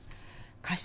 過失